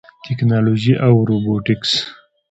ټیکنالوژي او روبوټکس